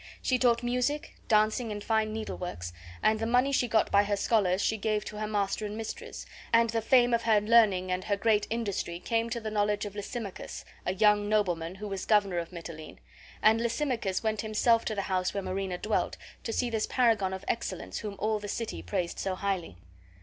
She taught music, dancing, and fine needleworks, and the money she got by her scholars she gave to her master and mistress; and the fame of her learning and her great industry came to the knowledge of Lysimachus, a young nobleman who was governor of Mitylene, and Lysimachus went himself to the house where Marina dwelt, to see this paragon of excellence whom all the city praised so highly.